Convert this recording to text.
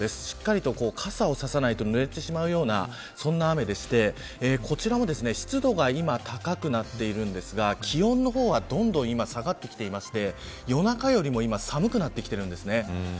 しっかりと傘を差さないと濡れてしまうようなそんな雨でしてこちらも湿度が今高くなっているんですが気温の方はどんどん今、下がってきていて夜中よりも今寒くなってきているんです。